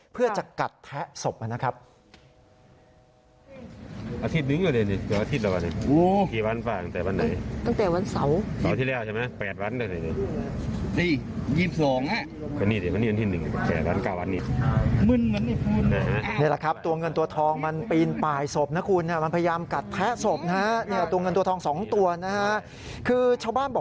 เพื่อจะกัดแทะศพนะครับ